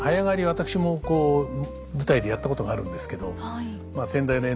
私もこう舞台でやったことがあるんですけど。